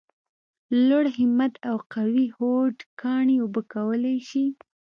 لوړ همت او قوي هوډ کاڼي اوبه کولای شي !